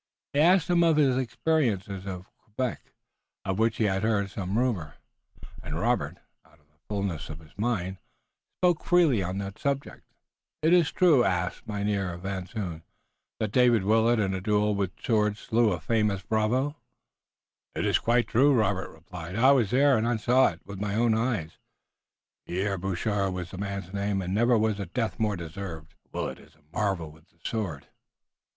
He asked him of his experiences at Quebec, of which he had heard some rumor, and Robert, out of the fullness of his mind, spoke freely on that subject. "Is it true," asked Mynheer Van Zoon, "that David Willet in a duel with swords slew a famous bravo?" "It's quite true," replied Robert. "I was there, and saw it with my own eyes. Pierre Boucher was the man's name, and never was a death more deserved." "Willet is a marvel with the sword."